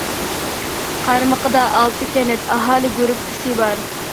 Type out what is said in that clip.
قارمىقىدا ئالتە كەنت ئاھالە گۇرۇپپىسى بار.